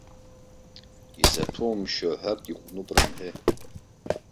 Изаҭәоумшьо аҳәак иҟәнуп, рымҳәеи.